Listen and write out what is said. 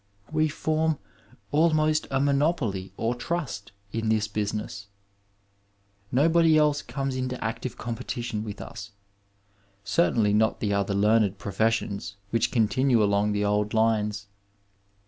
We form almost a monopoly or trust in this busi ness. Nobody else comes into active competition with us, certainly not the other learned professions which con tinue along the old lines.